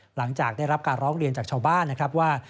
หลังจากได้รับการร้องเรียนจากชาวบ้านนะครับว่า